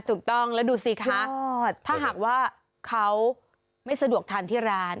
ถูกต้องแล้วดูสิคะถ้าหากว่าเขาไม่สะดวกทานที่ร้าน